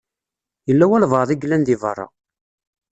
Yella walebɛaḍ i yellan di beṛṛa.